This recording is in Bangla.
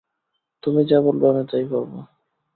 তুমি যা বলবে আমি তাই করব।